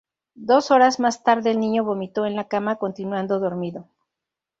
Dos horas más tarde el niño vomitó en la cama continuando dormido.